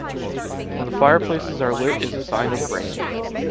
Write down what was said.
When the fireplaces are lit is a sign of rain.